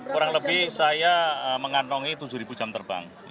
kurang lebih saya mengantongi tujuh jam terbang